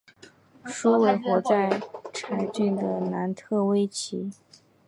韦斯活在柴郡的南特威奇。